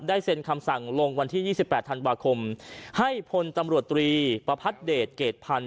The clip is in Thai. ได้เซ็นคำสั่งลงวันที่ยี่สิบแปดทันบาคมให้พลธรรมดรปฎเตรดเกดพันฮุ